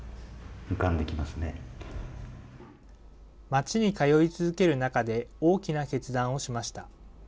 町に通い続ける中で、大きな決断をしました。